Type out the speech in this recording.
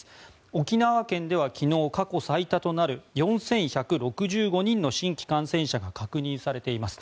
沖縄県では昨日、過去最多となる４１６５人の新規感染者が確認されています。